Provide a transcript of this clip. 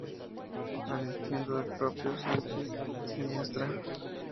Asistiendo el propio Sanchis Sinisterra.